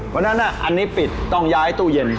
เพราะฉะนั้นอันนี้ปิดต้องย้ายตู้เย็น